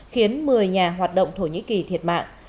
khiến một mươi nhà hoạt động thổ nhĩ kỳ thiệt mạng